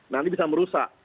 nanti bisa merusak